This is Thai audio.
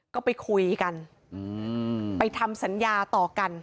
ก็ไปคุยกันไปทำสัญญาต่อกัน